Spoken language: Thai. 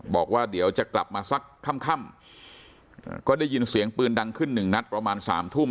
บอกว่าเดี๋ยวจะกลับมาสักค่ำค่ำก็ได้ยินเสียงปืนดังขึ้นหนึ่งนัดประมาณสามทุ่ม